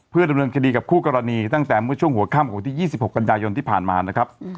ดำเนินคดีกับคู่กรณีตั้งแต่เมื่อช่วงหัวค่ำของวันที่๒๖กันยายนที่ผ่านมานะครับ